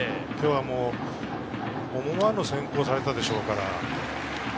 今日は思わぬ先行をされたでしょうから。